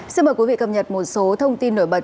xin mời quý vị cập nhật một số thông tin nổi bật